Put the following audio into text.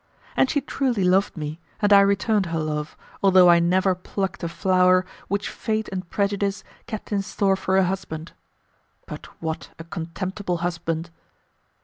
And she truly loved me, and I returned her love, although I never plucked a flower which fate and prejudice kept in store for a husband. But what a contemptible husband!